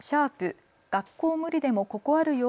学校ムリでもここあるよ